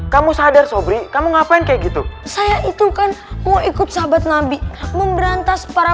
kamu sadar sobri kamu ngapain kayak gitu saya itu kan mau ikut sahabat nabi memberantas para